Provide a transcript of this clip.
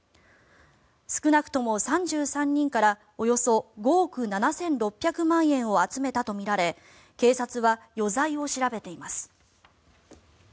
少なくとも３３人からおよそ５億７６００万円を集めたとみられ警察は余罪を調べています。